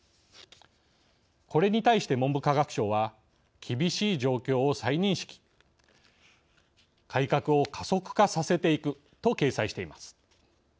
これに対して、文部科学省は「厳しい状況を再認識」「改革を加速化させていく」と掲載しています。